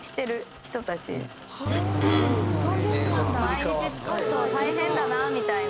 毎日大変だなみたいな。